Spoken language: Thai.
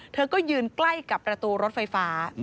เธอก็ยืนใกล้กับประตูรถไฟฟ้า